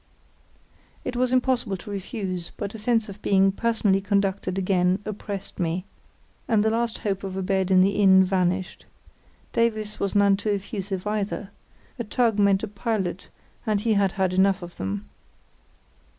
It was impossible to refuse, but a sense of being personally conducted again oppressed me; and the last hope of a bed in the inn vanished. Davies was none too effusive either. A tug meant a pilot, and he had had enough of them.